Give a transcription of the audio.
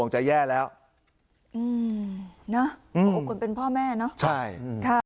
จะแย่แล้วอืมนะโอ้โหคนเป็นพ่อแม่เนอะใช่ค่ะ